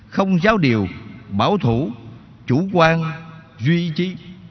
không giao điều bảo thủ chủ quan duy trì